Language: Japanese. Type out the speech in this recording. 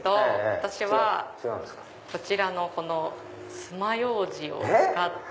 私はこちらのつまようじを使って。